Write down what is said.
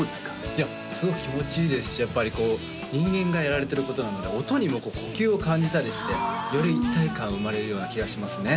いやすごく気持ちいいですしやっぱりこう人間がやられてることなので音にも呼吸を感じたりしてより一体感生まれるような気がしますね